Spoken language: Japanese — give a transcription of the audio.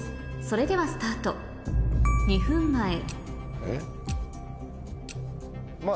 それではスタート２分前えっ。